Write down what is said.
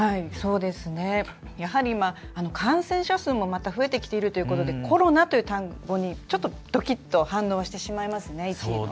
やはり、感染者数もまた増えてきているということでコロナという単語にちょっとドキッと反応してしまいますね。